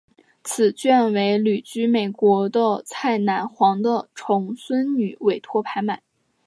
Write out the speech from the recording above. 此卷为旅居美国的蔡乃煌的重孙女委托拍卖。